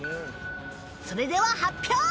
それでは発表！